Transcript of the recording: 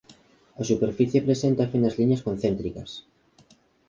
A superficie presenta finas liñas concéntricas.